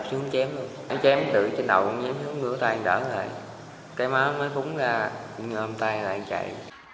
chú không chém chém từ trên đầu nhém xuống đứa tay đỡ lại cái má mới phúng ra nhưng ôm tay lại chạy